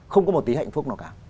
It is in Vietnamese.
không có một tí hạnh phúc nào cả